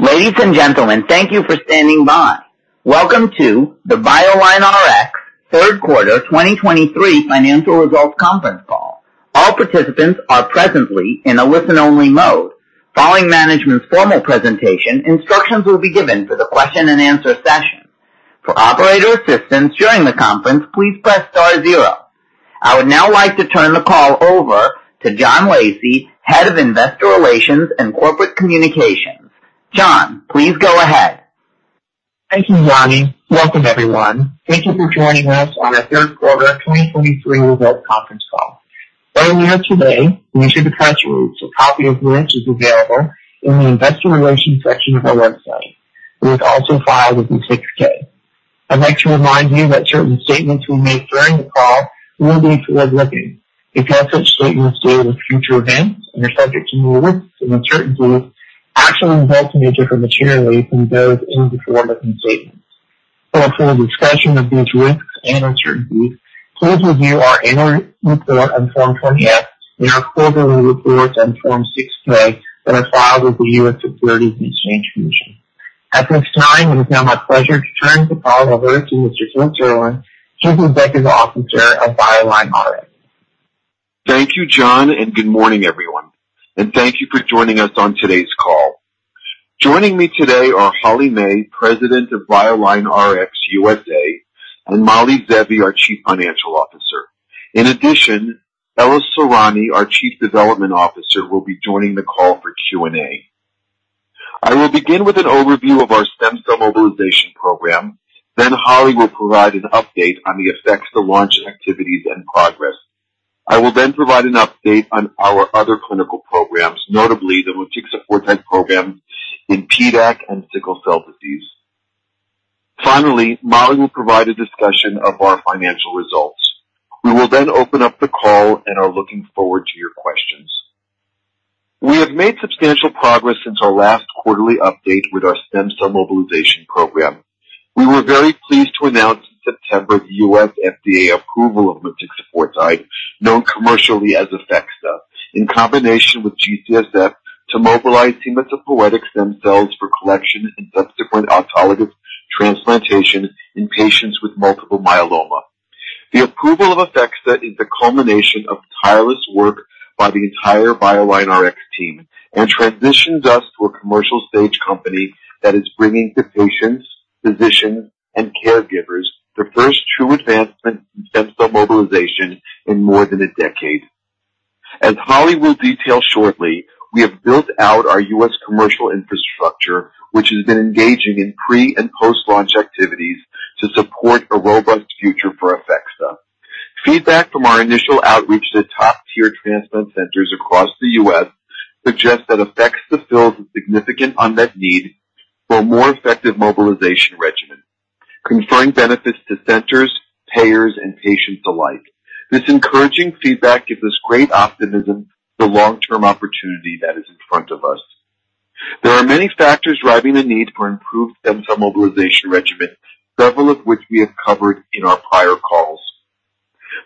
Ladies and gentlemen, thank you for standing by. Welcome to the BioLineRx third quarter 2023 financial results conference call. All participants are presently in a listen-only mode. Following management's formal presentation, instructions will be given for the question and answer session. For operator assistance during the conference, please press star zero. I would now like to turn the call over to John Lacey, Head of Investor Relations and Corporate Communications. John, please go ahead. Thank you, Johnny. Welcome, everyone. Thank you for joining us on our third quarter 2023 results conference call. Earlier today, we issued a press release. A copy of which is available in the investor relations section of our website. It was also filed with the 6-K. I'd like to remind you that certain statements we make during the call will be forward-looking. If you have such statements deal with future events and are subject to new risks and uncertainties, actual results may differ materially from those in the forward-looking statements. For a full discussion of these risks and uncertainties, please review our annual report on Form 20-F and our quarterly reports on Form 6-K that are filed with the U.S. Securities and Exchange Commission. At this time, it is now my pleasure to turn the call over to Mr. Phil Serlin, Chief Executive Officer of BioLineRx. Thank you, John, and good morning, everyone, and thank you for joining us on today's call. Joining me today are Holly May, President of BioLineRx USA, and Mali Zeevi, our Chief Financial Officer. In addition, Ella Sorani, our Chief Development Officer, will be joining the call for Q&A. I will begin with an overview of our stem cell mobilization program. Then Holly will provide an update on APHEXDA, the launch activities and progress. I will then provide an update on our other clinical programs, notably the motixafortide program in PDAC and sickle cell disease. Finally, Mali will provide a discussion of our financial results. We will then open up the call and are looking forward to your questions. We have made substantial progress since our last quarterly update with our stem cell mobilization program. We were very pleased to announce in September, the U.S. FDA approval of motixafortide, known commercially as APHEXDA, in combination with G-CSF to mobilize hematopoietic stem cells for collection and subsequent autologous transplantation in patients with multiple myeloma. The approval of APHEXDA is the culmination of tireless work by the entire BioLineRx team and transitions us to a commercial stage company that is bringing to patients, physicians, and caregivers the first true advancement in stem cell mobilization in more than a decade. As Holly will detail shortly, we have built out our U.S. commercial infrastructure, which has been engaging in pre- and post-launch activities to support a robust future for APHEXDA. Feedback from our initial outreach to top-tier transplant centers across the U.S. suggests that APHEXDA fills a significant unmet need for a more effective mobilization regimen, conferring benefits to centers, payers, and patients alike. This encouraging feedback gives us great optimism, the long-term opportunity that is in front of us. There are many factors driving the need for improved stem cell mobilization regimens, several of which we have covered in our prior calls.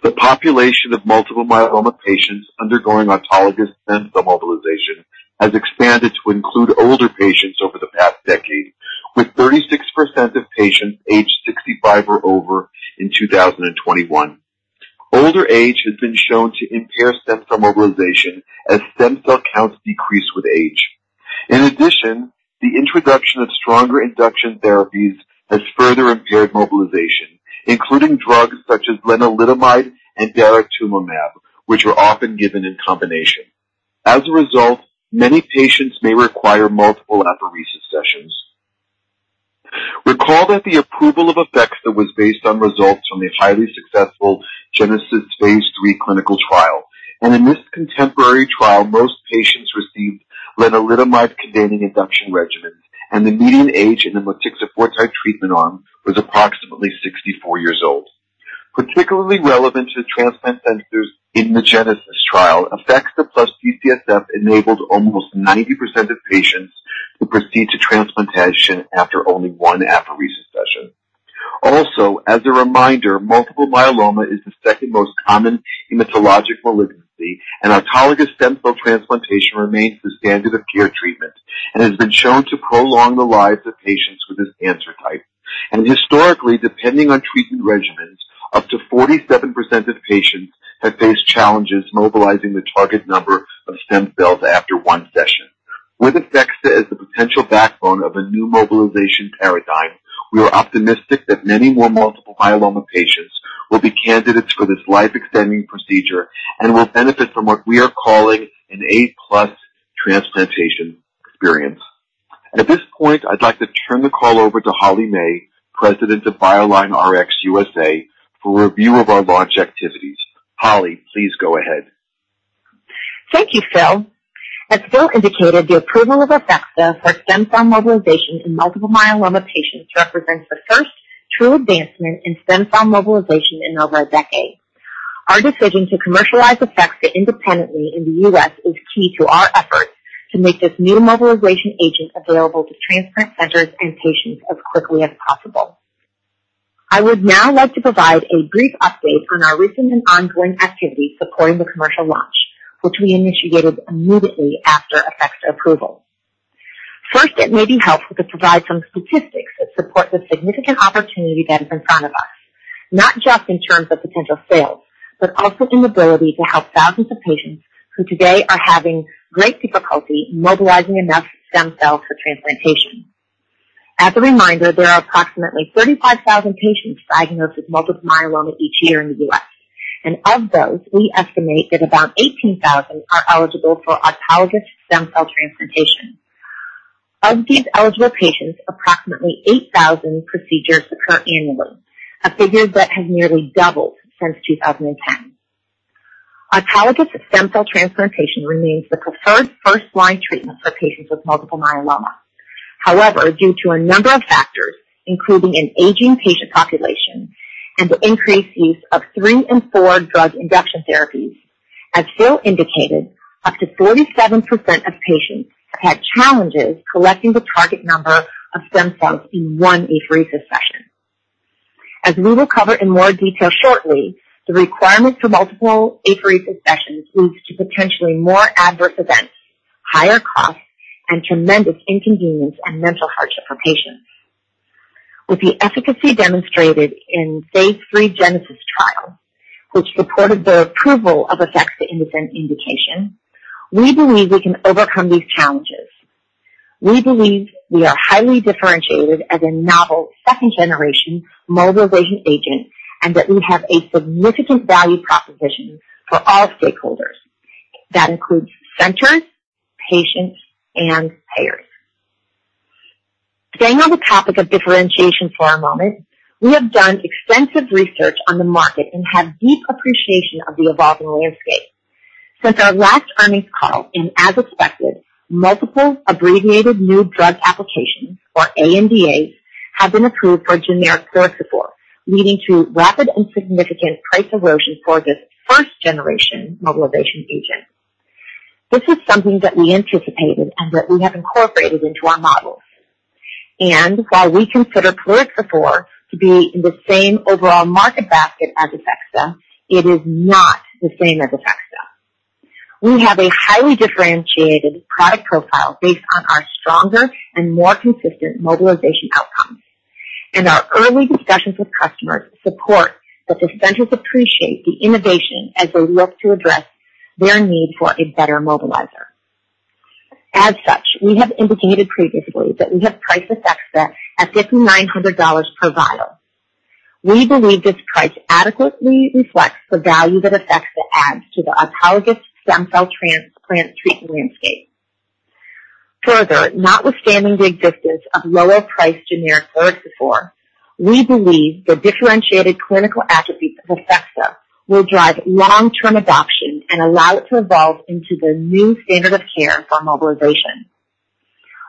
The population of multiple myeloma patients undergoing autologous stem cell mobilization has expanded to include older patients over the past decade, with 36% of patients aged 65 or over in 2021. Older age has been shown to impair stem cell mobilization as stem cell counts decrease with age. In addition, the introduction of stronger induction therapies has further impaired mobilization, including drugs such as lenalidomide and daratumumab, which are often given in combination. As a result, many patients may require multiple apheresis sessions. Recall that the approval of APHEXDA was based on results from the highly successful GENESIS phase III clinical trial, and in this contemporary trial, most patients received lenalidomide-containing induction regimens, and the median age in the motixafortide treatment arm was approximately 64 years old. Particularly relevant to transplant centers in the GENESIS trial, APHEXDA plus G-CSF enabled almost 90% of patients to proceed to transplantation after only one apheresis session. Also, as a reminder, multiple myeloma is the second most common hematologic malignancy, and autologous stem cell transplantation remains the standard of care treatment and has been shown to prolong the lives of patients with this cancer type. Historically, depending on treatment regimens, up to 47% of patients have faced challenges mobilizing the target number of stem cells after one session. With APHEXDA as the potential backbone of a new mobilization paradigm, we are optimistic that many more multiple myeloma patients will be candidates for this life-extending procedure and will benefit from what we are calling an A-plus transplantation experience. At this point, I'd like to turn the call over to Holly May, President of BioLineRx USA, for a review of our launch activities. Holly, please go ahead. Thank you, Phil. As Phil indicated, the approval of APHEXDA for stem cell mobilization in Multiple Myeloma patients represents the first true advancement in stem cell mobilization in over a decade. Our decision to commercialize APHEXDA independently in the U.S. is key to our efforts to make this new mobilization agent available to transplant centers and patients as quickly as possible. I would now like to provide a brief update on our recent and ongoing activities supporting the commercial launch, which we initiated immediately after APHEXDA approval. First, it may be helpful to provide some statistics that support the significant opportunity that is in front of us, not just in terms of potential sales, but also in the ability to help thousands of patients who today are having great difficulty mobilizing enough stem cells for transplantation. As a reminder, there are approximately 35,000 patients diagnosed with multiple myeloma each year in the U.S., and of those, we estimate that about 18,000 are eligible for autologous stem cell transplantation. Of these eligible patients, approximately 8,000 procedures occur annually, a figure that has nearly doubled since 2010. Autologous stem cell transplantation remains the preferred first line treatment for patients with multiple myeloma. However, due to a number of factors, including an aging patient population and the increased use of three and four drug induction therapies, as Phil indicated, up to 47% of patients have had challenges collecting the target number of stem cells in one apheresis session. As we will cover in more detail shortly, the requirement for multiple apheresis sessions leads to potentially more adverse events, higher costs, and tremendous inconvenience and mental hardship for patients. With the efficacy demonstrated in phase III GENESIS trial, which supported the approval of APHEXDA in this indication, we believe we can overcome these challenges. We believe we are highly differentiated as a novel second generation mobilization agent and that we have a significant value proposition for all stakeholders. That includes centers, patients, and payers. Staying on the topic of differentiation for a moment, we have done extensive research on the market and have deep appreciation of the evolving landscape. Since our last earnings call and as expected, multiple Abbreviated New Drug Applications, or ANDAs, have been approved for generic plerixafor, leading to rapid and significant price erosion for this first generation mobilization agent. This is something that we anticipated and that we have incorporated into our models. And while we consider plerixafor to be in the same overall market basket as APHEXDA, it is not the same as APHEXDA. We have a highly differentiated product profile based on our stronger and more consistent mobilization outcomes, and our early discussions with customers support that the centers appreciate the innovation as they look to address their need for a better mobilizer. As such, we have indicated previously that we have priced APHEXDA at $5,900 per vial. We believe this price adequately reflects the value that APHEXDA adds to the autologous stem cell transplant treatment landscape. Further, notwithstanding the existence of lower priced generic plerixafor, we believe the differentiated clinical attributes of APHEXDA will drive long-term adoption and allow it to evolve into the new standard of care for mobilization.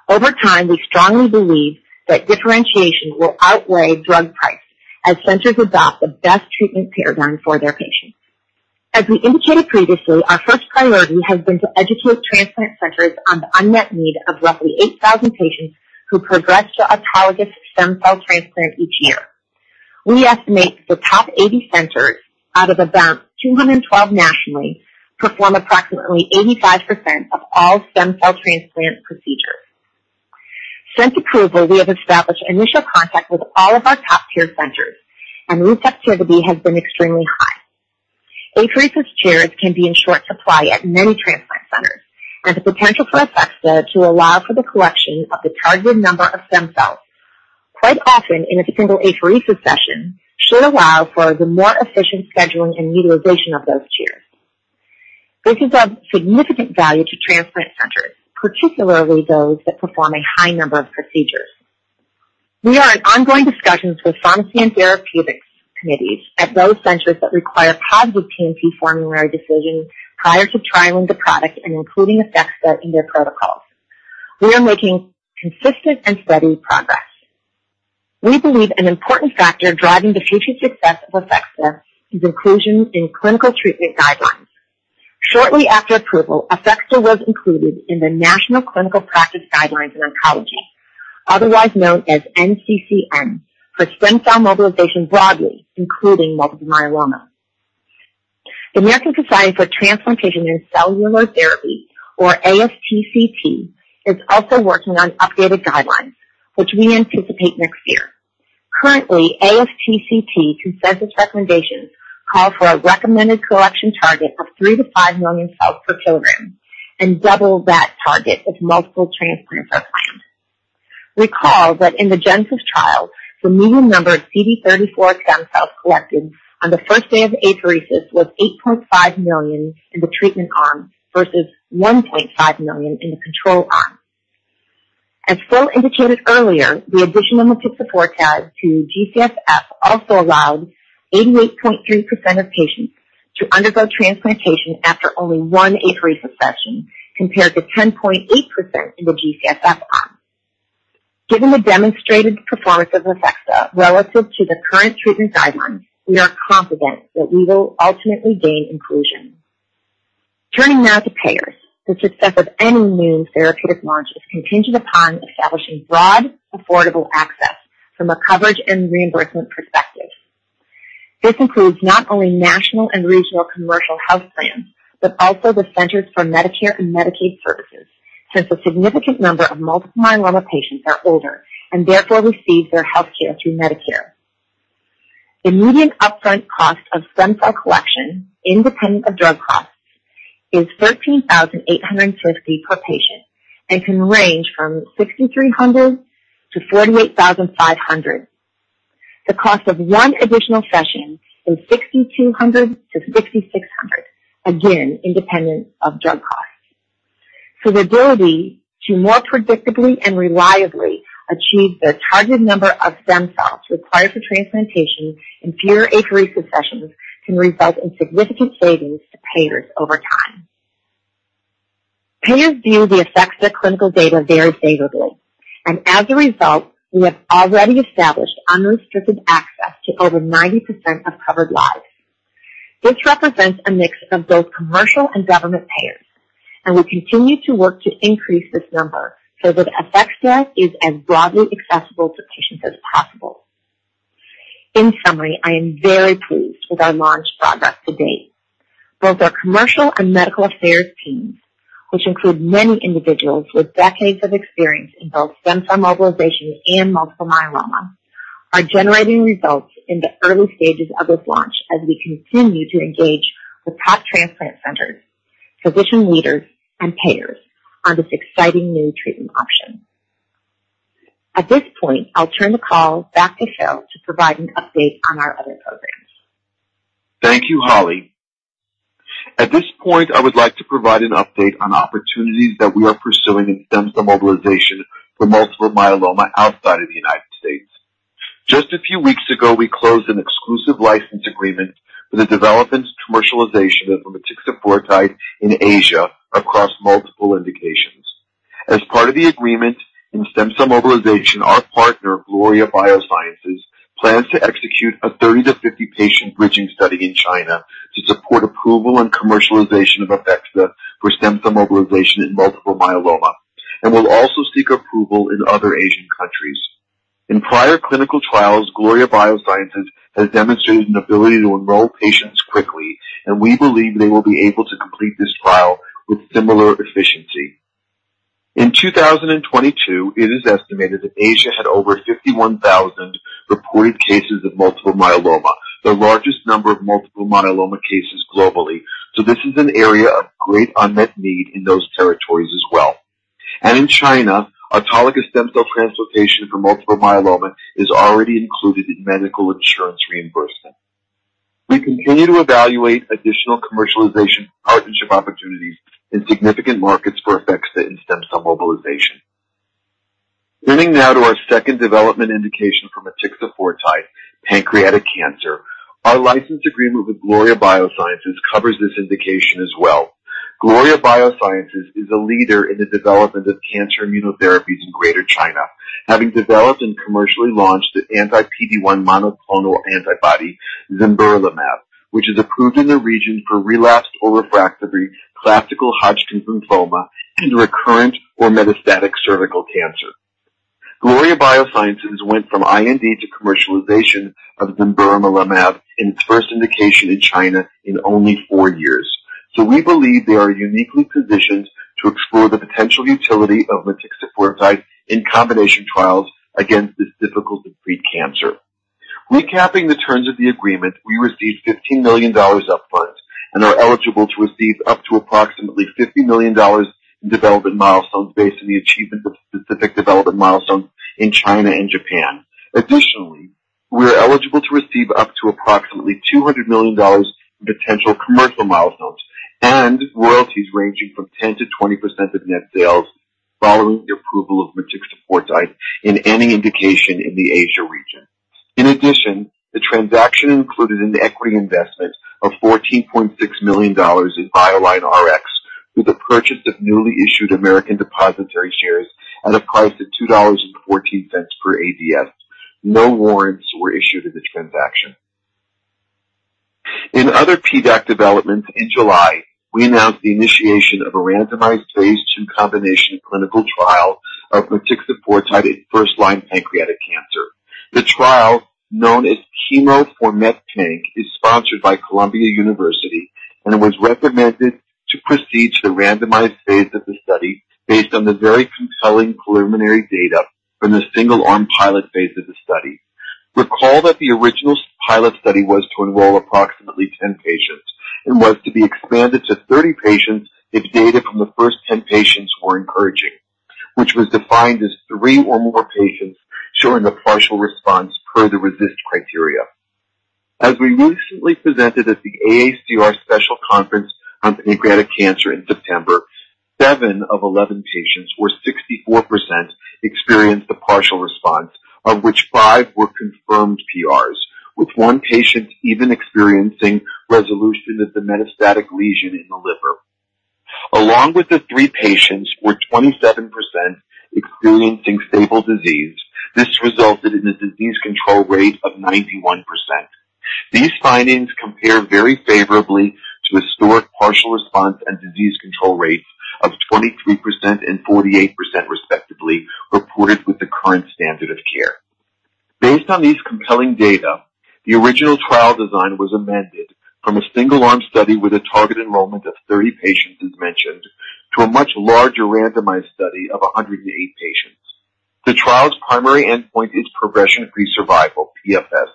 Over time, we strongly believe that differentiation will outweigh drug price as centers adopt the best treatment paradigm for their patients. As we indicated previously, our first priority has been to educate transplant centers on the unmet need of roughly 8,000 patients who progress to autologous stem cell transplant each year. We estimate the top 80 centers, out of about 212 nationally, perform approximately 85% of all stem cell transplant procedures. Since approval, we have established initial contact with all of our top-tier centers, and receptivity has been extremely high. Apheresis chairs can be in short supply at many transplant centers, and the potential for APHEXDA to allow for the collection of the targeted number of stem cells, quite often in a single apheresis session, should allow for the more efficient scheduling and utilization of those chairs. This is of significant value to transplant centers, particularly those that perform a high number of procedures. We are in ongoing discussions with Pharmacy and Therapeutics committees at those centers that require positive P&T formulary decisions prior to trialing the product and including APHEXDA in their protocols. We are making consistent and steady progress. We believe an important factor driving the future success of APHEXDA is inclusion in clinical treatment guidelines. Shortly after approval, APHEXDA was included in the National Clinical Practice Guidelines in Oncology, otherwise known as NCCN, for stem cell mobilization broadly, including multiple myeloma. The American Society for Transplantation and Cellular Therapy, or ASTCT, is also working on updated guidelines, which we anticipate next year. Currently, ASTCT consensus recommendations call for a recommended collection target of three to five million cells per kilogram and double that target if multiple transplants are planned. Recall that in the GENESIS trial, the median number of CD34 stem cells collected on the first day of apheresis was 8.5 million in the treatment arm versus 1.5 million in the control arm. As Phil indicated earlier, the additional motixafortide to G-CSF also allowed 88.3% of patients to undergo transplantation after only one apheresis session, compared to 10.8% in the G-CSF arm. Given the demonstrated performance of APHEXDA relative to the current treatment guidelines, we are confident that we will ultimately gain inclusion. Turning now to payers. The success of any new therapeutic launch is contingent upon establishing broad, affordable access from a coverage and reimbursement perspective. This includes not only national and regional commercial health plans, but also the Centers for Medicare and Medicaid Services, since a significant number of multiple myeloma patients are older and therefore receive their health care through Medicare. The median upfront cost of stem cell collection, independent of drug costs, is $13,850 per patient and can range from $6,300-$48,500. The cost of one additional session is $6,200-$6,600, again, independent of drug costs. So the ability to more predictably and reliably achieve the targeted number of stem cells required for transplantation in fewer apheresis sessions can result in significant savings to payers over time. Payers view the effects of the clinical data very favorably, and as a result, we have already established unrestricted access to over 90% of covered lives. This represents a mix of both commercial and government payers, and we continue to work to increase this number so that APHEXDA is as broadly accessible to patients as possible. In summary, I am very pleased with our launch progress to date. Both our commercial and medical affairs teams, which include many individuals with decades of experience in both stem cell mobilization and multiple myeloma, are generating results in the early stages of this launch as we continue to engage with top transplant centers, physician leaders, and payers on this exciting new treatment option. At this point, I'll turn the call back to Phil to provide an update on our other programs. Thank you, Holly. At this point, I would like to provide an update on opportunities that we are pursuing in stem cell mobilization for multiple myeloma outside of the United States. Just a few weeks ago, we closed an exclusive license agreement for the development and commercialization of motixafortide in Asia across multiple indications. As part of the agreement, in stem cell mobilization, our partner, Gloria Biosciences, plans to execute a 30-50-patient bridging study in China to support approval and commercialization of APHEXDA for stem cell mobilization in multiple myeloma and will also seek approval in other Asian countries. In prior clinical trials, Gloria Biosciences has demonstrated an ability to enroll patients quickly, and we believe they will be able to complete this trial with similar efficiency. In 2022, it is estimated that Asia had over 51,000 reported cases of multiple myeloma, the largest number of multiple myeloma cases globally. So this is an area of great unmet need in those territories as well. In China, autologous stem cell transplantation for multiple myeloma is already included in medical insurance reimbursement. We continue to evaluate additional commercialization partnership opportunities in significant markets for APHEXDA in stem cell mobilization. Turning now to our second development indication for motixafortide, pancreatic cancer. Our license agreement with Gloria Biosciences covers this indication as well. Gloria Biosciences is a leader in the development of cancer immunotherapies in Greater China, having developed and commercially launched the anti-PD-1 monoclonal antibody, zimberelimab, which is approved in the region for relapsed or refractory classical Hodgkin's lymphoma and recurrent or metastatic cervical cancer. Gloria Biosciences went from IND to commercialization of zimberelimab in its first indication in China in only four years. So we believe they are uniquely positioned to explore the potential utility of motixafortide in combination trials against this difficult to treat cancer. Recapping the terms of the agreement, we received $15 million upfront and are eligible to receive up to approximately $50 million in development milestones based on the achievement of specific development milestones in China and Japan. Additionally, we are eligible to receive up to approximately $200 million in potential commercial milestones and royalties ranging from 10%-20% of net sales following the approval of motixafortide in any indication in the Asia region. In addition, the transaction included an equity investment of $14.6 million in BioLineRx, with the purchase of newly issued American Depositary Shares at a price of $2.14 per ADS. No warrants were issued in the transaction. In other PDAC developments, in July, we announced the initiation of a randomized phase II combination clinical trial of motixafortide in first-line pancreatic cancer. The trial, known as Chemo4MetPanc, is sponsored by Columbia University and was recommended to proceed to the randomized phase of the study based on the very compelling preliminary data from the single-arm pilot phase of the study. Recall that the original pilot study was to enroll approximately 10 patients and was to be expanded to 30 patients if data from the first 10 patients were encouraging, which was defined as 3 or more patients showing a partial response per the RECIST criteria. As we recently presented at the AACR Special Conference on Pancreatic Cancer in September, seven of 11 patients, or 64%, experienced a partial response, of which five were confirmed PRs, with one patient even experiencing resolution of the metastatic lesion in the liver. Along with the three patients, were 27% experiencing stable disease. This resulted in a disease control rate of 91%. These findings compare very favorably to historic partial response and disease control rates of 23% and 48%, respectively, reported with the current standard of care. Based on these compelling data, the original trial design was amended from a single-arm study with a target enrollment of 30 patients, as mentioned, to a much larger randomized study of 108 patients. The trial's primary endpoint is progression-free survival, PFS.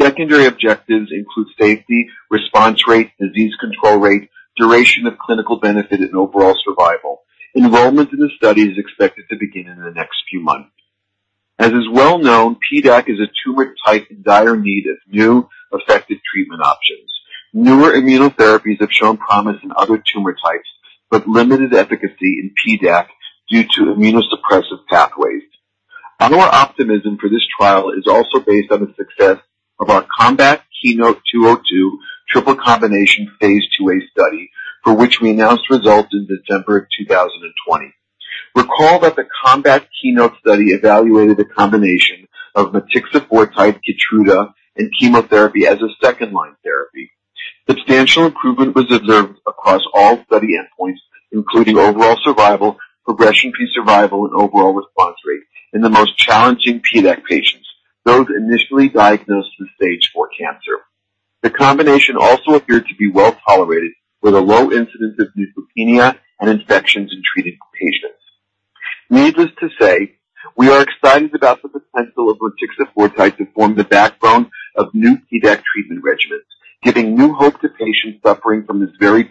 Secondary objectives include safety, response rate, disease control rate, duration of clinical benefit, and overall survival. Enrollment in the study is expected to begin in the next few months. As is well known, PDAC is a tumor type in dire need of new, effective treatment options. Newer immunotherapies have shown promise in other tumor types, but limited efficacy in PDAC due to immunosuppressive pathways. Our optimism for this trial is also based on the success of our COMBAT/KEYNOTE-202 triple combination phase IIa study, for which we announced results in December 2020. Recall that the COMBAT/KEYNOTE study evaluated a combination of motixafortide, KEYTRUDA and chemotherapy as a second-line therapy. Substantial improvement was observed across all study endpoints, including overall survival, progression-free survival, and overall response rate in the most challenging PDAC patients, those initially diagnosed with stage 4 cancer. The combination also appeared to be well tolerated, with a low incidence of neutropenia and infections in treated patients. Needless to say, we are excited about the potential of motixafortide to form the backbone of new PDAC treatment regimens, giving new hope to patients suffering from this very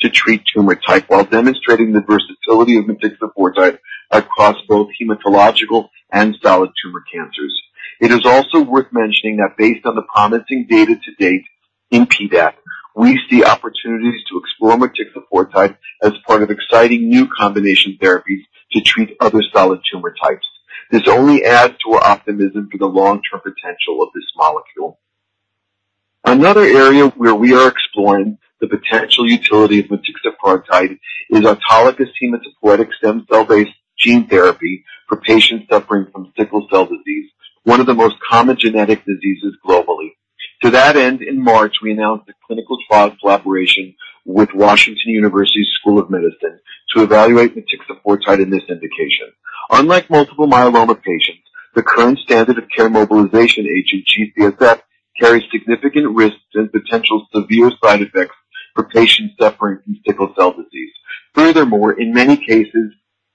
difficult-to-treat tumor type, while demonstrating the versatility of motixafortide across both hematological and solid tumor cancers. It is also worth mentioning that based on the promising data to date in PDAC, we see opportunities to explore motixafortide as part of exciting new combination therapies to treat other solid tumor types. This only adds to our optimism for the long-term potential of this molecule. Another area where we are exploring the potential utility of motixafortide is autologous hematopoietic stem cell-based gene therapy for patients suffering from sickle cell disease, one of the most common genetic diseases globally. To that end, in March, we announced a clinical trial collaboration with Washington University School of Medicine to evaluate motixafortide in this indication. Unlike multiple myeloma patients, the current standard of care mobilization agent, G-CSF, carries significant risks and potential severe side effects for patients suffering from sickle cell disease. Furthermore, in many cases,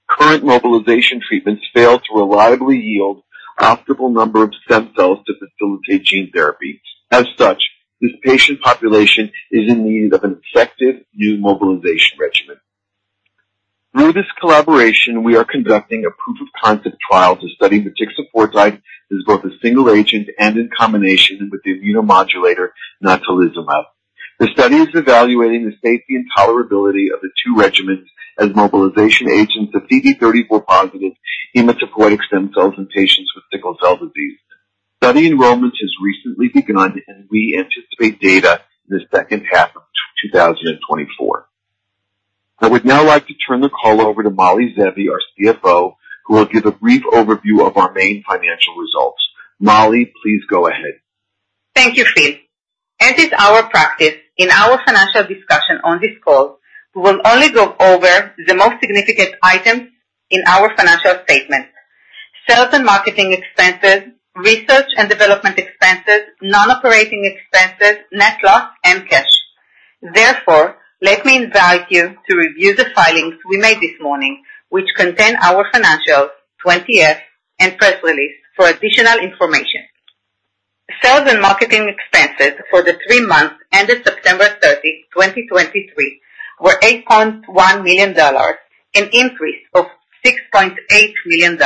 current mobilization treatments fail to reliably yield optimal number of stem cells to facilitate gene therapy. As such, this patient population is in need of an effective new mobilization regimen. Through this collaboration, we are conducting a proof-of-concept trial to study motixafortide as both a single agent and in combination with the immunomodulator, natalizumab. The study is evaluating the safety and tolerability of the two regimens as mobilization agents of CD34+ hematopoietic stem cells in patients with sickle cell disease. Study enrollments has recently begun, and we anticipate data in the second half of 2024. I would now like to turn the call over to Mali Zeevi, our CFO, who will give a brief overview of our main financial results. Mali, please go ahead. Thank you, Phil. As is our practice in our financial discussion on this call, we will only go over the most significant items in our financial statements. Sales and marketing expenses, research and development expenses, non-operating expenses, net loss, and cash. Therefore, let me invite you to review the filings we made this morning, which contain our financials, 20-F, and press release for additional information. Sales and marketing expenses for the three months ended September 30, 2023, were $8.1 million, an increase of $6.8 million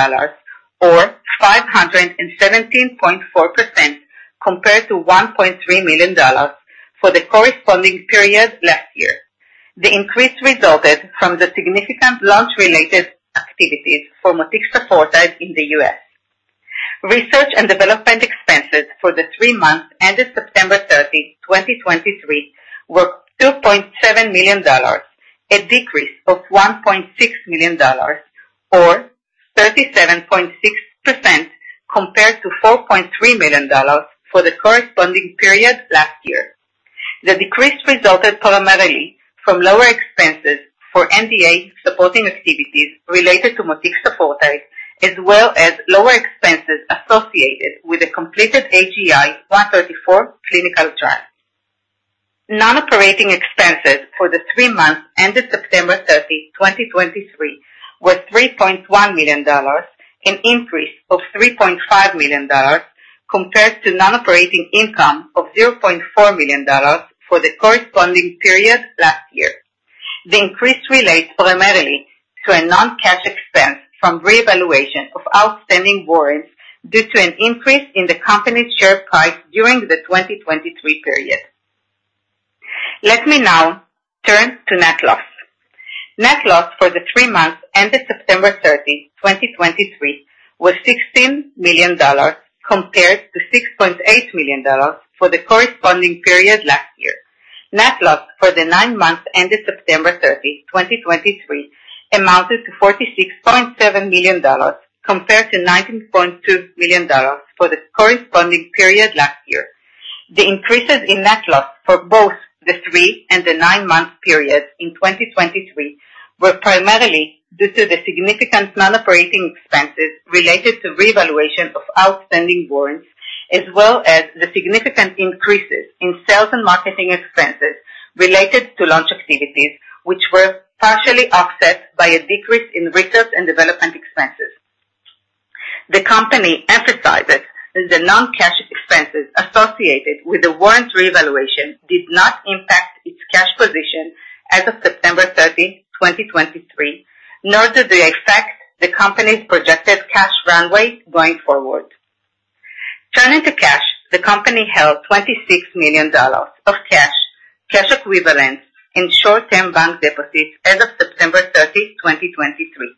or 517.4% compared to $1.3 million for the corresponding period last year. The increase resulted from the significant launch-related activities for motixafortide in the U.S. Research and development expenses for the three months ended September 30, 2023, were $2.7 million, a decrease of $1.6 million or 37.6% compared to $4.3 million for the corresponding period last year. The decrease resulted primarily from lower expenses for NDA supporting activities related to motixafortide, as well as lower expenses associated with the completed AGI-134 clinical trial. Non-operating expenses for the three months ended September 30, 2023, were $3.1 million, an increase of $3.5 million compared to non-operating income of $0.4 million for the corresponding period last year. The increase relates primarily to a non-cash expense from reevaluation of outstanding warrants due to an increase in the company's share price during the 2023 period. Let me now turn to net loss. Net loss for the three months ended September 30, 2023, was $16 million compared to $6.8 million for the corresponding period last year. Net loss for the nine months ended September 30, 2023, amounted to $46.7 million, compared to $19.2 million for the corresponding period last year. The increases in net loss for both the three and the nine-month periods in 2023 were primarily due to the significant non-operating expenses related to revaluation of outstanding warrants, as well as the significant increases in sales and marketing expenses related to launch activities, which were partially offset by a decrease in research and development expenses. The company emphasizes that the non-cash expenses associated with the warrant revaluation did not impact its cash position as of September 30, 2023, nor do they affect the company's projected cash runway going forward. Turning to cash, the company held $26 million of cash, cash equivalents, and short-term bank deposits as of September 30, 2023.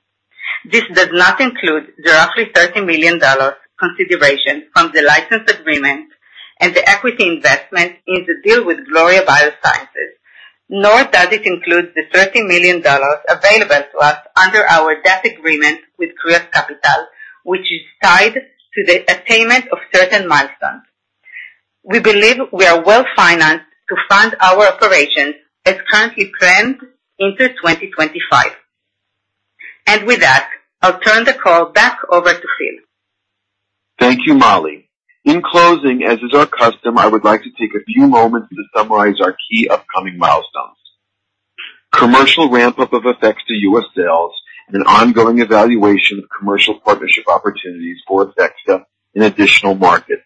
This does not include the roughly $13 million consideration from the license agreement and the equity investment in the deal with Gloria Biosciences, nor does it include the $13 million available to us under our debt agreement with Kreos Capital, which is tied to the attainment of certain milestones. We believe we are well financed to fund our operations as currently planned into 2025. And with that, I'll turn the call back over to Phil. Thank you, Mali. In closing, as is our custom, I would like to take a few moments to summarize our key upcoming milestones. Commercial ramp-up of APHEXDA U.S. sales and an ongoing evaluation of commercial partnership opportunities for APHEXDA in additional markets.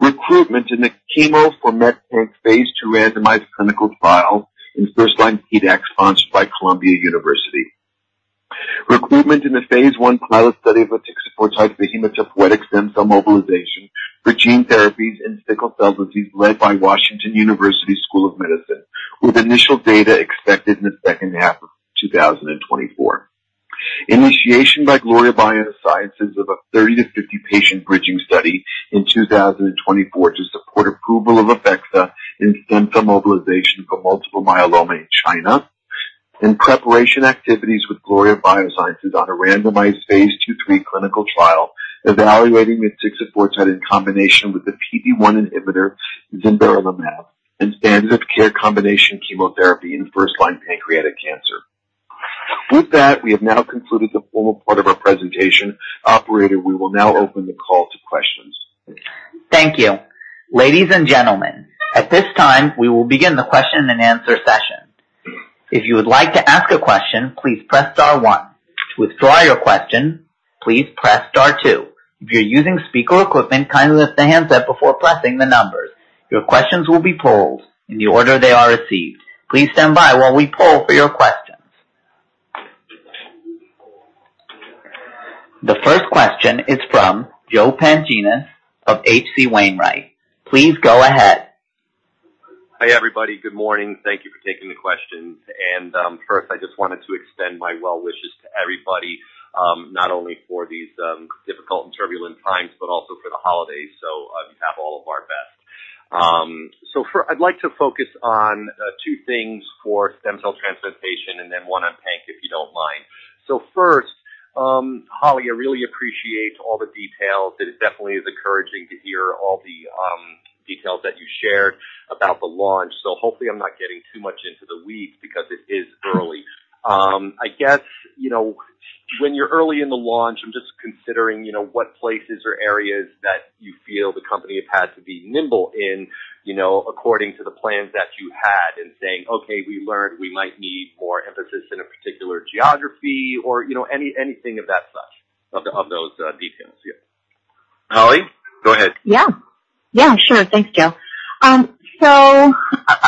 Recruitment in the phase II randomized clinical trial in first-line PDAC, sponsored by Columbia University. Recruitment in the phase 1 pilot study of motixafortide for hematopoietic stem cell mobilization for gene therapies in sickle cell disease, led by Washington University School of Medicine, with initial data expected in the second half of 2024. Initiation by Gloria Biosciences of a 30-50 patient bridging study in 2024 to support approval of APHEXDA in stem cell mobilization for multiple myeloma in China. Preparation activities with Gloria Biosciences on a randomized phase II/III clinical trial, evaluating motixafortide in combination with the PD-1 inhibitor, zimberelimab, and standard of care combination chemotherapy in first-line pancreatic cancer. With that, we have now concluded the formal part of our presentation. Operator, we will now open the call to questions. Thank you. Ladies and gentlemen, at this time, we will begin the question-and-answer session. If you would like to ask a question, please press star one. To withdraw your question, please press star two. If you're using speaker equipment, kindly lift the handset before pressing the numbers. Your questions will be polled in the order they are received. Please stand by while we poll for your questions. The first question is from Joe Pantginis of H.C. Wainwright. Please go ahead. Hi, everybody. Good morning. Thank you for taking the questions. And, first, I just wanted to extend my well wishes to everybody, not only for these, difficult and turbulent times, but also for the holidays. So, you have all of our best. So I'd like to focus on, two things for stem cell transplantation and then one on panc, if you don't mind. So first, Holly, I really appreciate all the details. It definitely is encouraging to hear all the, details that you shared about the launch. So hopefully I'm not getting too much into the weeds because it is early. I guess, you know, when you're early in the launch, I'm just considering, you know, what places or areas that you feel the company has had to be nimble in, you know, according to the plans that you had in saying, "Okay, we learned we might need more emphasis in a particular geography," or, you know, any, anything of that such, of those details. Yeah. Holly, go ahead. Yeah. Yeah, sure. Thanks, Joe. So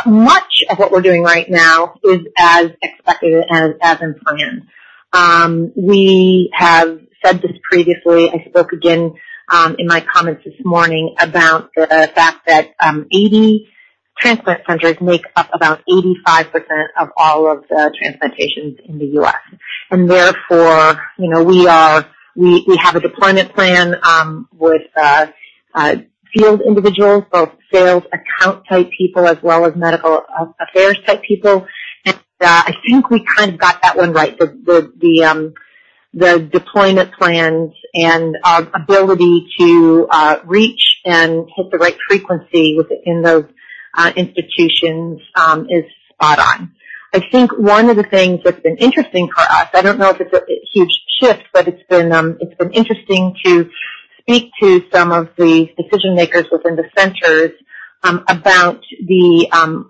much of what we're doing right now is as expected and as in plan. We have said this previously. I spoke again in my comments this morning about the fact that 80 transplant centers make up about 85% of all of the transplantations in the U.S. And therefore, you know, we have a deployment plan with field individuals, both sales account type people as well as medical affairs type people. And I think we kind of got that one right. The deployment plans and our ability to reach and hit the right frequency within those institutions is spot on. I think one of the things that's been interesting for us. I don't know if it's a huge shift, but it's been interesting to speak to some of the decision makers within the centers about the...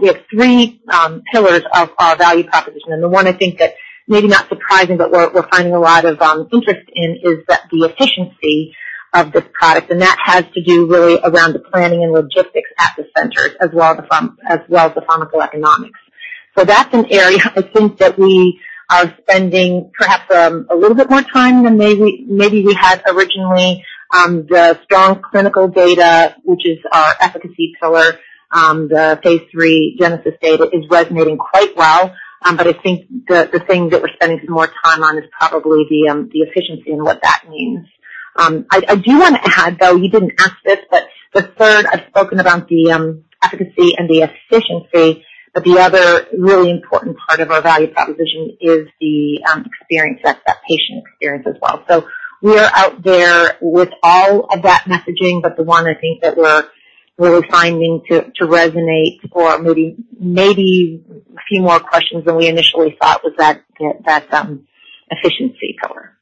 We have three pillars of our value proposition. And the one I think that, maybe not surprising, but we're finding a lot of interest in is that the efficiency of this product, and that has to do really around the planning and logistics at the centers as well as the pharmaceutical economics. So that's an area I think that we... are spending perhaps a little bit more time than maybe, maybe we had originally. The strong clinical data, which is our efficacy pillar, the phase III GENESIS data is resonating quite well. But I think the, the thing that we're spending some more time on is probably the, the efficiency and what that means. I, I do want to add, though, you didn't ask this, but the third I've spoken about the, efficacy and the efficiency, but the other really important part of our value proposition is the, experience, that, that patient experience as well. So we are out there with all of that messaging, but the one I think that we're really finding to, to resonate or maybe, maybe a few more questions than we initially thought was that, that, efficiency pillar.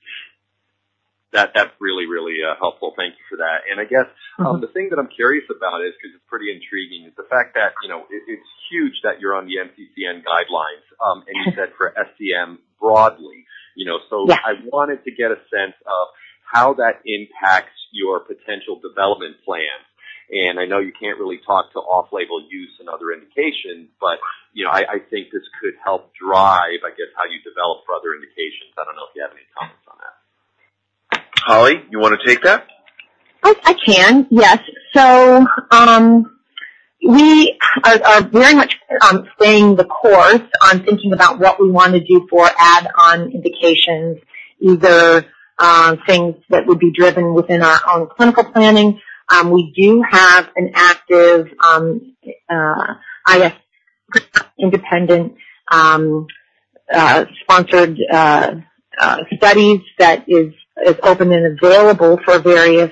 That, that's really, really, helpful. Thank you for that. And I guess, the thing that I'm curious about is, because it's pretty intriguing, is the fact that, you know, it's huge that you're on the NCCN guidelines, and you said for SCM broadly, you know. Yeah. I wanted to get a sense of how that impacts your potential development plan. And I know you can't really talk to off-label use and other indications, but, you know, I think this could help drive, I guess, how you develop for other indications. I don't know if you have any comments on that. Holly, you want to take that? I can. Yes. So, we are very much staying the course on thinking about what we want to do for add-on indications, either things that would be driven within our own clinical planning. We do have an active, I guess, independent sponsored studies that is open and available for various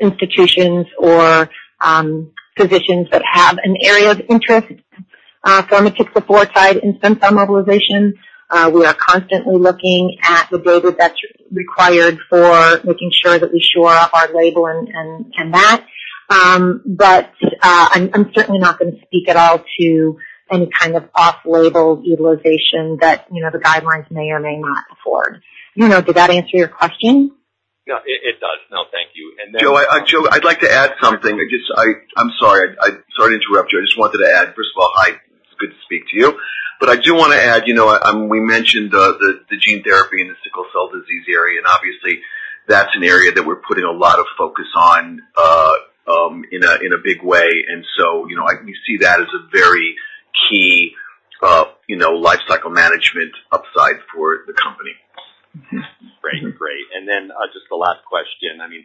institutions or physicians that have an area of interest for motixafortide in stem cell mobilization. We are constantly looking at the data that's required for making sure that we shore up our label and that. But, I'm certainly not going to speak at all to any kind of off-label utilization that, you know, the guidelines may or may not afford. You know, did that answer your question? No, it does. No, thank you. And then- Joe, I'd like to add something. I'm sorry to interrupt you. I just wanted to add, first of all, hi, it's good to speak to you, but I do want to add, you know, we mentioned the gene therapy in the sickle cell disease area, and obviously that's an area that we're putting a lot of focus on in a big way. And so, you know, we see that as a very key lifecycle management upside for the company. Great. Great. And then, just the last question, I mean,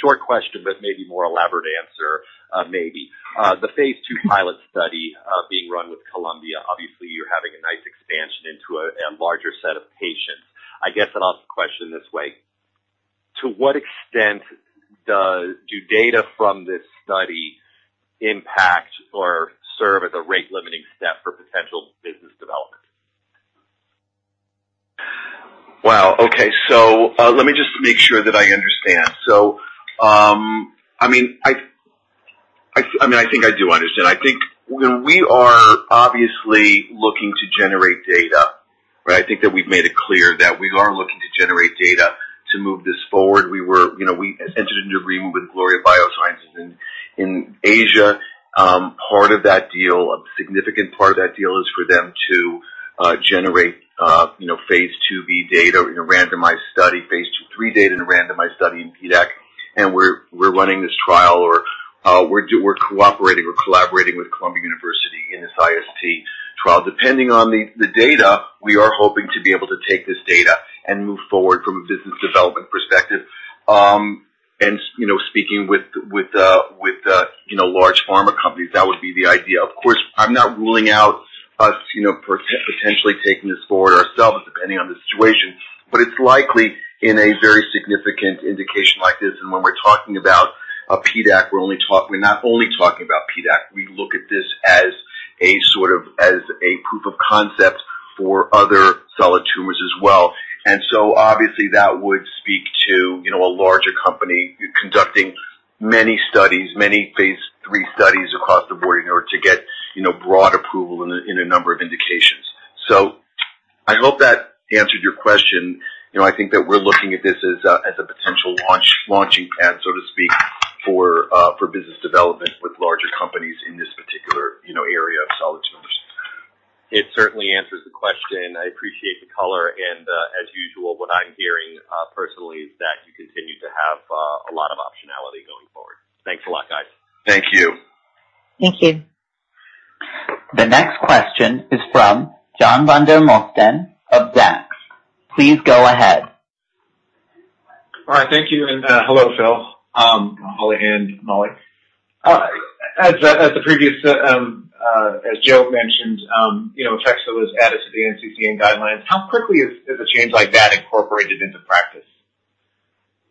short question, but maybe more elaborate answer, maybe. The phase II pilot study, being run with Columbia. Obviously, you're having a nice expansion into a, larger set of patients. I guess I'll ask the question this way: To what extent does... do data from this study impact or serve as a rate limiting step for potential business development? Wow. Okay. So, let me just make sure that I understand. So, I mean, I mean, I think I do understand. I think, you know, we are obviously looking to generate data, right? I think that we've made it clear that we are looking to generate data to move this forward. We were, you know, we entered into an agreement with Gloria Biosciences in Asia. Part of that deal, a significant part of that deal, is for them to generate, you know, phase IIb data in a randomized study, phase II/III data in a randomized study in PDAC. And we're running this trial, or, we're cooperating, we're collaborating with Columbia University in this IST trial. Depending on the data, we are hoping to be able to take this data and move forward from a business development perspective. And, you know, speaking with you know, large pharma companies, that would be the idea. Of course, I'm not ruling out us, you know, potentially taking this forward ourselves, depending on the situation, but it's likely in a very significant indication like this. And when we're talking about a PDAC, we're not only talking about PDAC. We look at this as a sort of, as a proof of concept for other solid tumors as well. And so obviously, that would speak to, you know, a larger company conducting many studies, many phase three studies across the board in order to get, you know, broad approval in a, in a number of indications. So I hope that answered your question. You know, I think that we're looking at this as a potential launch, launching pad, so to speak, for business development with larger companies in this particular, you know, area of solid tumors. It certainly answers the question. I appreciate the color and, as usual, what I'm hearing, personally is that you continue to have, a lot of optionality going forward. Thanks a lot, guys. Thank you. Thank you. The next question is from John Vandermosten of Zacks. Please go ahead. All right. Thank you, and hello, Phil, Holly and Mali. As Joe mentioned, you know, APHEXDA was added to the NCCN guidelines. How quickly is a change like that incorporated into practice?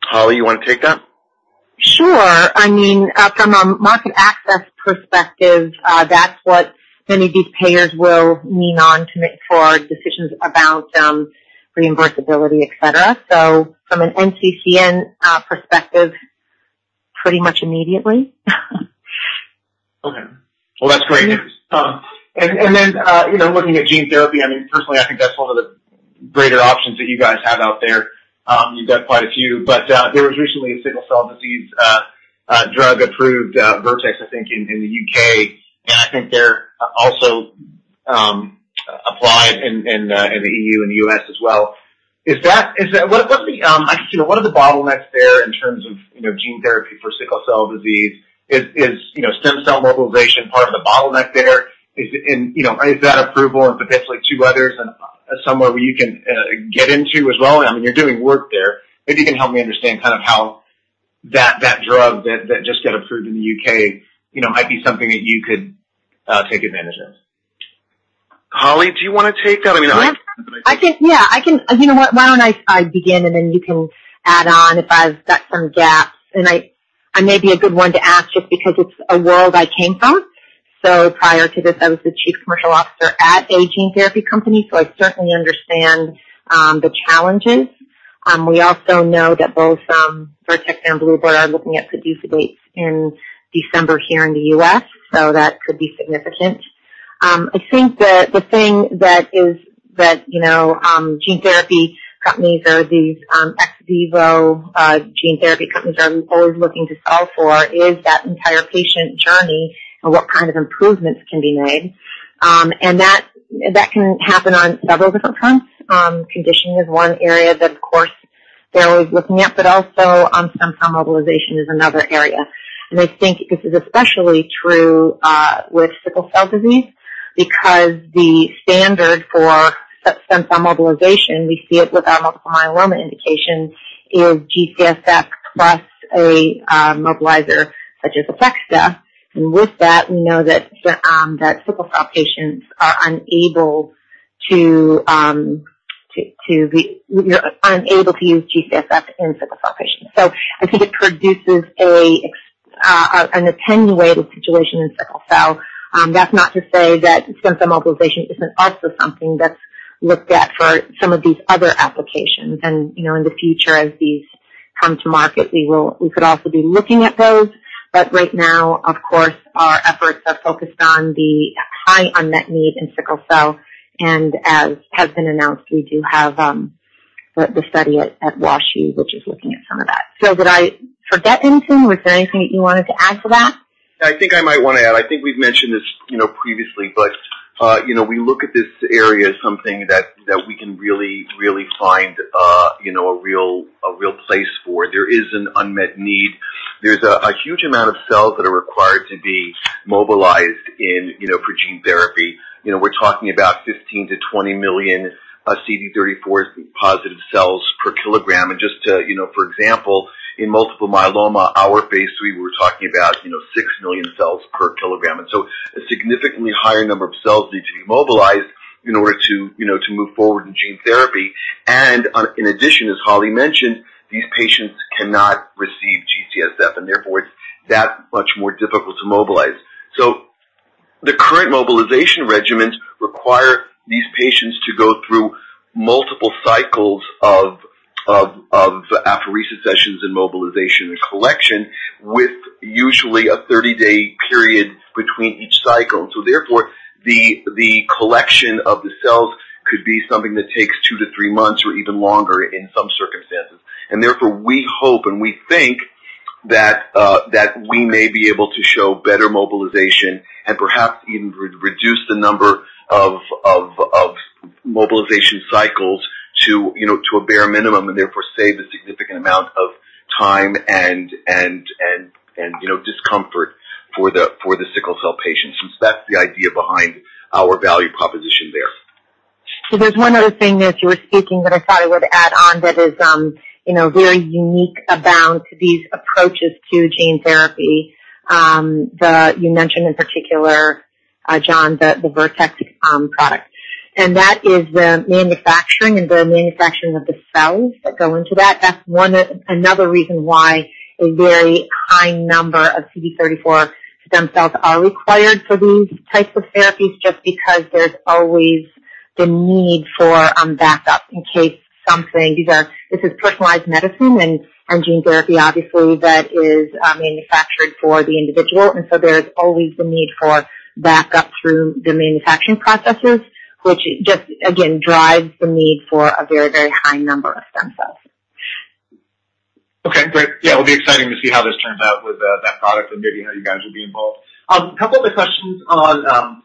Holly, you want to take that? Sure. I mean, from a market access perspective, that's what many big payers will lean on to make for decisions about, reimbursability, et cetera. So from an NCCN perspective, pretty much immediately. Okay, well, that's great news. And then, you know, looking at gene therapy, I mean, personally, I think that's one of the greater options that you guys have out there. You've got quite a few, but there was recently a sickle cell disease drug approved, Vertex, I think, in the U.K., and I think they're also applied in the E.U. and the U.S. as well. Is that, is that—What, what's the, I, you know, what are the bottlenecks there in terms of, you know, gene therapy for sickle cell disease? Is, you know, stem cell mobilization part of the bottleneck there? Is, and, you know, is that approval and potentially two others and somewhere where you can get into as well? I mean, you're doing work there. Maybe you can help me understand kind of how that drug that just got approved in the U.K., you know, might be something that you could take advantage of. Holly, do you want to take that? I mean, I- Yeah, I think, yeah, I can... You know what? Why don't I begin, and then you can add on if I've got some gaps. I may be a good one to ask just because it's a world I came from. So prior to this, I was the Chief Commercial Officer at a gene therapy company, so I certainly understand the challenges. We also know that both Vertex and Bluebird are looking at producer dates in December here in the U.S., so that could be significant. I think that the thing that is that, you know, gene therapy companies or these ex vivo gene therapy companies are always looking to solve for is that entire patient journey and what kind of improvements can be made. And that can happen on several different fronts. Conditioning is one area that, of course, they're always looking at, but also, stem cell mobilization is another area. I think this is especially true with sickle cell disease because the standard for stem cell mobilization, we see it with our multiple myeloma indication, is G-CSF plus a mobilizer such as plerixafor, and with that, we know that sickle cell patients are unable to use G-CSF in sickle cell patients. I think it produces an attenuated situation in sickle cell. That's not to say that stem cell mobilization isn't also something that's looked at for some of these other applications. You know, in the future, as these come to market, we will, we could also be looking at those, but right now, of course, our efforts are focused on the high unmet need in sickle cell, and as has been announced, we do have the study at Washington University, which is looking at some of that. So did I forget anything? Was there anything that you wanted to add to that? I think I might want to add. I think we've mentioned this, you know, previously, but, you know, we look at this area as something that, that we can really, really find, you know, a real, a real place for. There is an unmet need. There's a, a huge amount of cells that are required to be mobilized in, you know, for gene therapy. You know, we're talking about 15-20 million CD34+ cells per kilogram. And just to, you know, for example, in multiple myeloma, our phase III, we were talking about, you know, six million cells per kilogram, and so a significantly higher number of cells need to be mobilized in order to, you know, to move forward in gene therapy. And, in addition, as Holly mentioned, these patients cannot receive G-CSF, and therefore it's that much more difficult to mobilize. So the current mobilization regimens require these patients to go through multiple cycles of apheresis sessions and mobilization and collection, with usually a 30-day period between each cycle. So therefore, the collection of the cells could be something that takes two to three months or even longer in some circumstances. And therefore, we hope and we think that we may be able to show better mobilization and perhaps even reduce the number of mobilization cycles to, you know, to a bare minimum and therefore save a significant amount of time and you know, discomfort for the sickle cell patients. Since that's the idea behind our value proposition there. So there's one other thing as you were speaking, that I thought I would add on that is, you know, very unique about these approaches to gene therapy. The... You mentioned in particular, John, the, the Vertex, product, and that is the manufacturing and the manufacturing of the cells that go into that. That's one, another reason why a very high number of CD34 stem cells are required for these types of therapies, just because there's always the need for, backup in case something, these are, this is personalized medicine and, and gene therapy, obviously, that is, manufactured for the individual. And so there's always the need for backup through the manufacturing processes, which just, again, drives the need for a very, very high number of stem cells. Okay, great. Yeah, it'll be exciting to see how this turns out with that product and maybe how you guys will be involved. A couple of other questions on,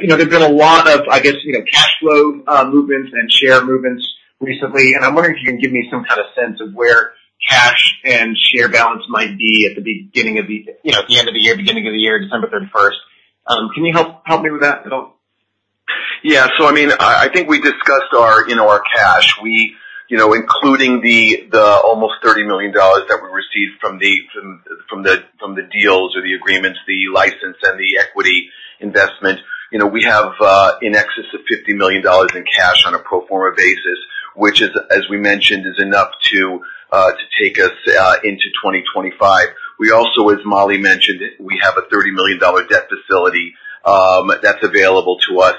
you know, there's been a lot of, I guess, you know, cash flow movements and share movements recently, and I'm wondering if you can give me some kind of sense of where cash and share balance might be at the beginning of the, you know, at the end of the year, beginning of the year, December 31. Can you help me with that at all? Yeah. So, I mean, I think we discussed our, you know, our cash. We, you know, including the almost $30 million that we received from the deals or the agreements, the license and the equity investment. You know, we have in excess of $50 million in cash on a pro forma basis, which, as we mentioned, is enough to take us into 2025. We also, as Mali mentioned, have a $30 million debt facility that's available to us,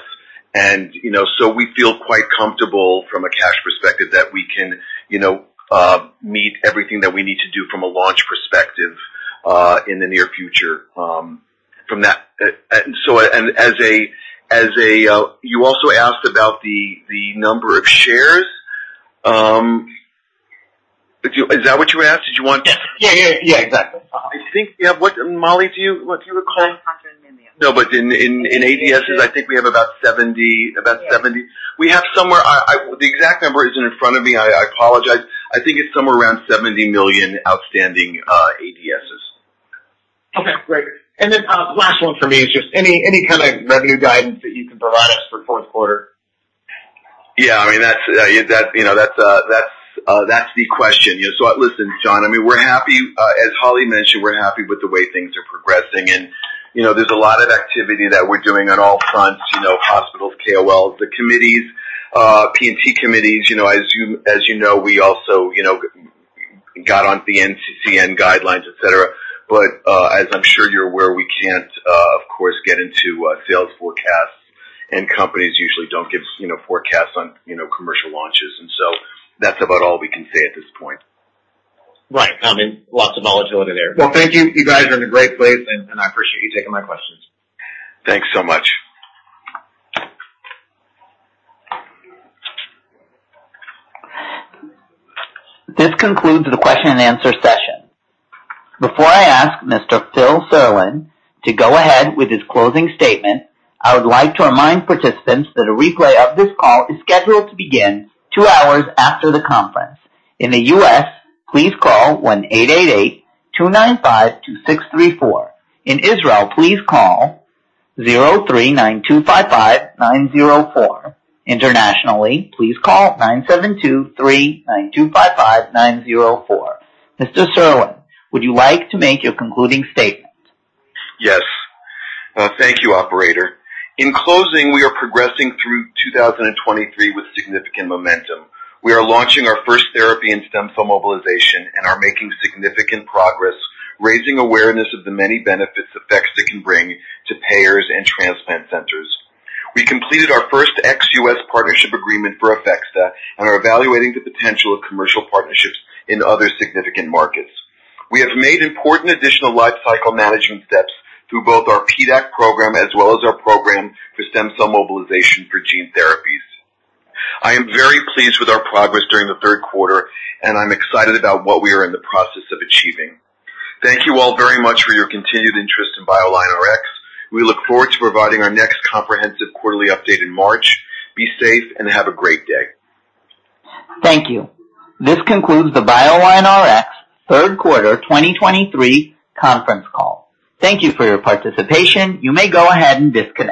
and, you know, so we feel quite comfortable from a cash perspective that we can, you know, meet everything that we need to do from a launch perspective in the near future from that. So and as a, you also asked about the number of shares. Is that what you asked? Did you want- Yes. Yeah, yeah, yeah, exactly. I think, yeah. What, Mali, do you... Do you recall? I'm not sure. No, but in ADSs, I think we have about 70, about 70. Yes. We have somewhere... The exact number isn't in front of me. I apologize. I think it's somewhere around 70 million outstanding ADSs. Okay, great. And then, last one for me is just any kind of revenue guidance that you can provide us for fourth quarter? Yeah, I mean, that's the question. You know, so listen, John, I mean, we're happy. As Holly mentioned, we're happy with the way things are progressing and, you know, there's a lot of activity that we're doing on all fronts, you know, hospitals, KOLs, the committees, P&T committees. You know, as you know, we also got on the NCCN guidelines, et cetera. But, as I'm sure you're aware, we can't, of course, get into sales forecasts, and companies usually don't give, you know, forecasts on commercial launches, and so that's about all we can say at this point. Right. I mean, lots of volatility there. Well, thank you. You guys are in a great place, and, and I appreciate you taking my questions. Thanks so much. This concludes the question and answer session. Before I ask Mr. Philip Serlin to go ahead with his closing statement, I would like to remind participants that a replay of this call is scheduled to begin two hours after the conference. In the U.S., please call 1-888-295-2634. In Israel, please call 03-925-5904. Internationally, please call 972-3-925-5904. Mr. Serlin, would you like to make your concluding statement? Yes. Thank you, operator. In closing, we are progressing through 2023 with significant momentum. We are launching our first therapy in stem cell mobilization and are making significant progress, raising awareness of the many benefits APHEXDA can bring to payers and transplant centers. We completed our first ex-U.S. partnership agreement for APHEXDA and are evaluating the potential of commercial partnerships in other significant markets. We have made important additional lifecycle management steps through both our PDAC program as well as our program for stem cell mobilization for gene therapies. I am very pleased with our progress during the third quarter, and I'm excited about what we are in the process of achieving. Thank you all very much for your continued interest in BioLineRx. We look forward to providing our next comprehensive quarterly update in March. Be safe and have a great day. Thank you. This concludes the BioLineRx Third Quarter 2023 Conference Call. Thank you for your participation. You may go ahead and disconnect.